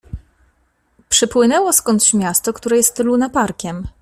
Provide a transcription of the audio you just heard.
Przypłynęło skądś miasto, które jest lunaparkiem.